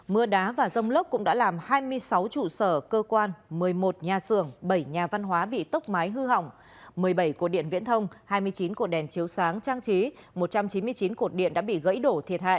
mưa đá và rông lốc cũng đã làm hai mươi sáu trụ sở cơ quan một mươi một nhà xưởng bảy nhà văn hóa bị tốc mái hư hỏng một mươi bảy cổ điện viễn thông hai mươi chín cổ đèn chiếu sáng trang trí một trăm chín mươi chín cột điện đã bị gãy đổ thiệt hại